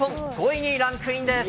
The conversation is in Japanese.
５位にランクインです。